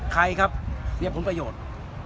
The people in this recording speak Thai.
ใครครับเสียผลประโยชน์